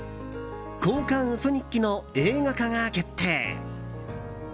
「交換ウソ日記」の映画化が決定。